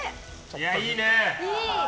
いや、いいね。